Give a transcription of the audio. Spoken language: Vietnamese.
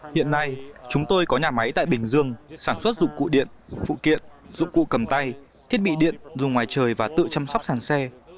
hiện nay chúng tôi có nhà máy tại bình dương sản xuất dụng cụ điện phụ kiện dụng cụ cầm tay thiết bị điện dùng ngoài trời và tự chăm sóc sàn xe